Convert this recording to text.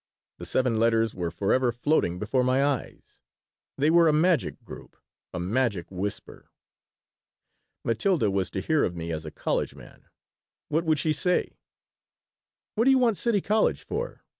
The seven letters were forever floating before my eyes. They were a magic group, a magic whisper. Matilda was to hear of me as a college man. What would she say? "What do you want City College for?"